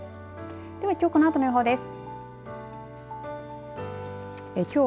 では、きょうこのあとの予報です。